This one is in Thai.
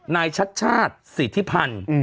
นายชาติชาติศรีธิพันธ์